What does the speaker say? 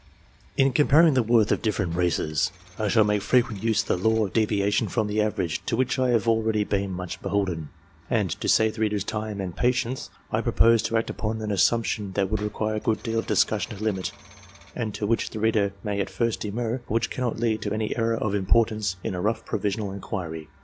In comparing the worth of different races, I shall make frequent use of the law of deviation from an average, to which I have already been much beholden ; and, to save the reader's time and patience, I propose to act upon an assumption that would require a good deal of discussion to limit, and to which the reader may at first demur, but which cannot lead to any error of importance in a rough provisional inquiry.